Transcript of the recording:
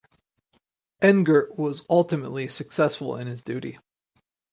Engert was ultimately successful in this duty.